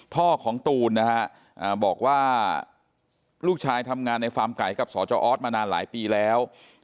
พ่อของตูนนะฮะบอกว่าลูกชายทำงานในฟาร์มไก่กับสจออสมานานหลายปีแล้ว